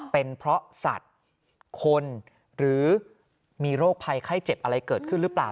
เป็นเพราะสัตว์คนหรือมีโรคภัยไข้เจ็บอะไรเกิดขึ้นหรือเปล่า